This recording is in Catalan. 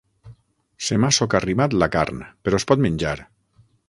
Se m'ha socarrimat la carn, però es pot menjar.